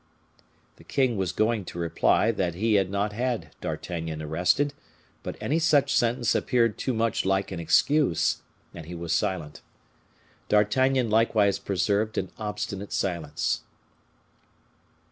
The king was going to reply that he had not had D'Artagnan arrested, but any such sentence appeared too much like an excuse, and he was silent. D'Artagnan likewise preserved an obstinate silence.